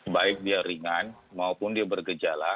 baik dia ringan maupun dia bergejala